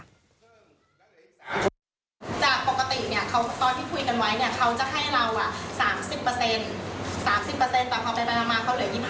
เรียกว่าขมขู่